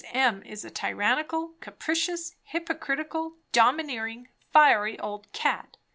M. is a tyrannical, capricious, hypocritical, domineering, fiery old cat.